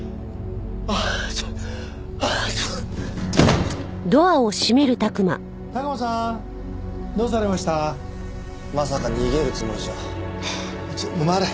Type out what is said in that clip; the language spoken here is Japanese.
ちょっと回れ。